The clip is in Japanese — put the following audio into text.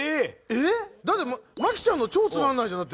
えっだって麻貴ちゃんの超つまんないじゃん！